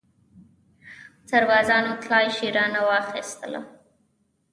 سربازانو تلاشي رانه واخیستله.